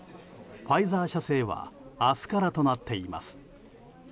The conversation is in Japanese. ファイザー社製は明日からとなっています。